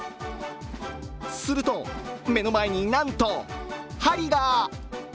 すると、目の前に、なんと針が！